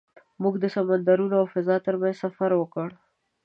موږ د سمندرونو او فضا تر منځ سفر وکړ.